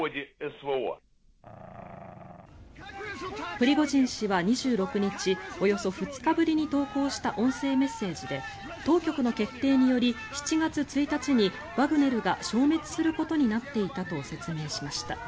プリゴジン氏は２６日およそ２日ぶりに投稿した音声メッセージで当局の決定により７月１日にワグネルが消滅することになっていたと説明しました。